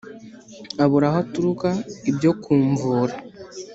Abura aho aturuka ibyo kumvura